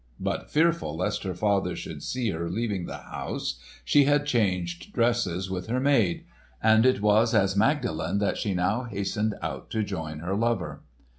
But fearful lest her father should see her leaving the house, she had changed dresses with her maid; and it was as Magdalen that she now hastened out to join her lover.